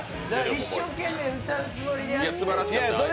一生懸命、歌うつもりでやって。